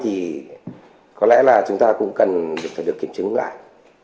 thì có lẽ là chúng ta cũng cần phải được kiểm chứng lại